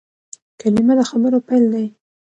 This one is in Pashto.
کلیمه د خبرو پیل دئ.